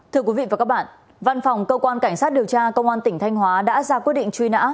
thưa quý vị và các bạn văn phòng cơ quan cảnh sát điều tra công an tỉnh thanh hóa đã ra quyết định truy nã